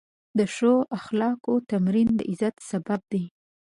د ښو اخلاقو تمرین د عزت سبب دی.